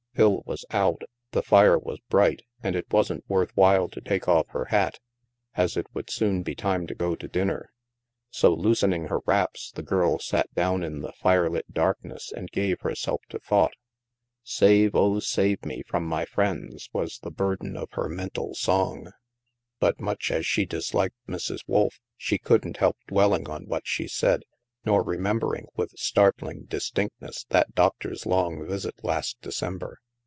Phil was out, the fire was bright, and it wasn't worth while to take off her hat, as it would soon be time to go to dinner. So, loosening her wraps, the girl sat down in the firelit darkness and gave herself to thought. '^ Save, oh, save me from my friends," was the burden of her mental song. But, much as she dis liked Mrs. Wolf, she couldn't help dwelling on what she said, nor remembering, with startling distinct ness, that doctor's long visit last December.